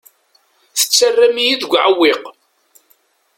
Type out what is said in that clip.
Tettarram-iyi deg uɛewwiq.